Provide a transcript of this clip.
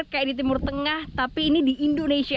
kayak di timur tengah tapi ini di indonesia